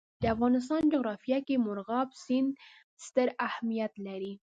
د افغانستان جغرافیه کې مورغاب سیند ستر اهمیت لري.